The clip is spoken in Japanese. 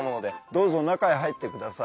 どうぞ中へ入ってください。